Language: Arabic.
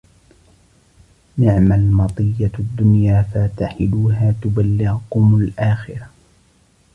نِعْمَ الْمَطِيَّةُ الدُّنْيَا فَارْتَحِلُوهَا تُبَلِّغُكُمْ الْآخِرَةَ